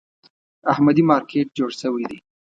احمدي مارکېټ جوړ شوی دی.